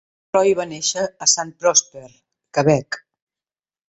Roy va néixer a Saint-Prosper (Quebec).